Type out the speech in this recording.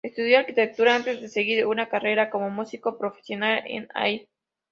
Estudió arquitectura antes de seguir una carrera como músico profesional en Air.